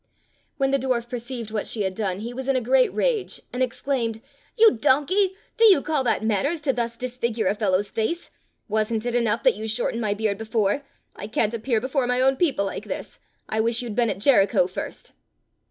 When the dwarf perceived what she had done, he was in a great rage and exclaimed : "You donkey! do you call that manners to thus disfigure a fellow's face.^^ Was n't it enough that you shortened my beard before? I can't appear before my own people like this. I wish you'd been at Jericho first."